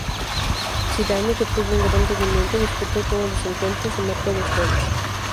Zidane, que tuvo un gran rendimiento, disputó todos los encuentros y marcó dos goles.